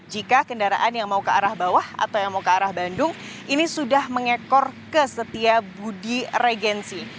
jika kendaraan yang mau ke arah bawah atau yang mau ke arah bandung ini sudah mengekor ke setia budi regensi